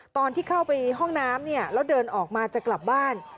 ตอนที่เข้าไปห้องน้ำเนี่ยแล้วเดินออกมาจะกลับบ้าน